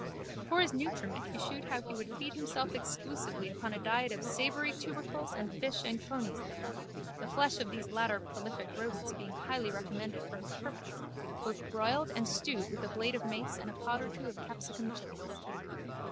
For his nutriment he shewed how he would feed himself exclusively upon a diet of savoury tubercles and fish and coneys there, the flesh of these latter prolific rodents being highly recommended for his purpose, both broiled and stewed with a blade of mace and a pod or two of capsicum chillies.